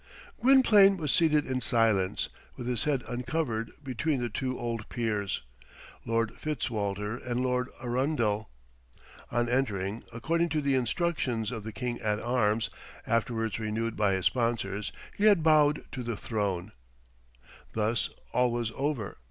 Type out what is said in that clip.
Gwynplaine was seated in silence, with his head uncovered, between the two old peers, Lord Fitzwalter and Lord Arundel. On entering, according to the instructions of the King at Arms afterwards renewed by his sponsors he had bowed to the throne. Thus all was over.